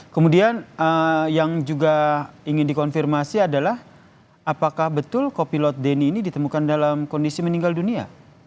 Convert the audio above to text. kemudian yang juga ingin dikonfirmasi adalah apakah betul kopilot denny ini ditemukan dalam kondisi meninggal dunia